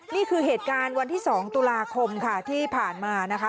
นี่คือเหตุการณ์วันที่๒ตุลาคมค่ะที่ผ่านมานะคะ